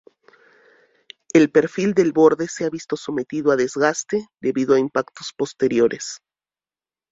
El perfil del borde se ha visto sometido a desgaste debido a impactos posteriores.